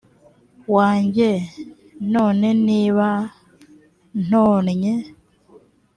wanjye none niba ntonnye